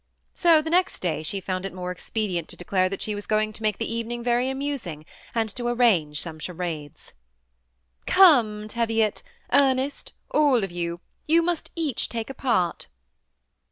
So the next day she found it more expedient to declare that she was going to make the evening very amusing, and to arrange some charades. " Come, Teviot, Ernest, all of you, you must each take a part."